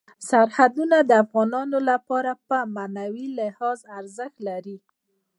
سرحدونه د افغانانو لپاره په معنوي لحاظ ارزښت لري.